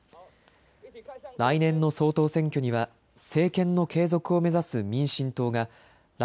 来年の総統選挙には政権の継続を目指す民進党が頼